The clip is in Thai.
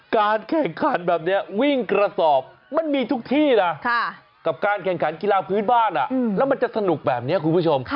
การแข่งขันแบบนี้วิ่งกระสอบมันมีทุกที่นะกับการแข่งขันกีฬาพื้นบ้านแล้วมันจะสนุกแบบนี้คุณผู้ชม